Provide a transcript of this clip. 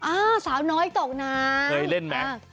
อ้าวสาวน้อยตกน้ำ